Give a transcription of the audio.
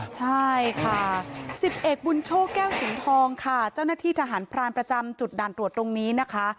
ใช่ค่ะสิบเอกบุญโชคแก้วสินทองค่ะเจ้าหน้าที่ทหารพรานประจำจุดด่านตรวจตรงนี้นะคะ